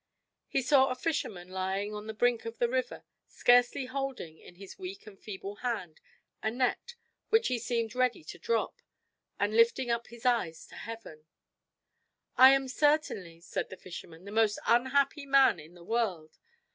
He saw a fisherman lying on the brink of the river, scarcely holding, in his weak and feeble hand, a net which he seemed ready to drop, and lifting up his eyes to Heaven. "I am certainly," said the fisherman, "the most unhappy man in the world.